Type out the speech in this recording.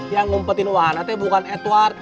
yang ngumpetin wahananya bukan edward